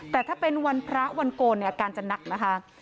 แต่ถ้าเป็นวันพระวันโกนเนี่ยอาการจะหนักนะคะ